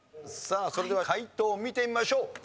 さあそれでは解答を見てみましょう。